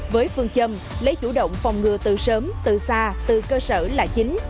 với phương châm lấy chủ động phòng ngừa từ sớm từ xa từ cơ sở là chính